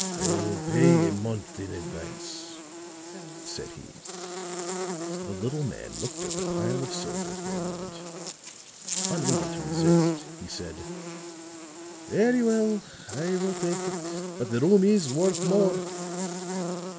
"I will pay a month in advance," said he. The little man looked at the pile of silver for a moment; unable to resist, he said: "Very well, I will take it. But the room is worth more."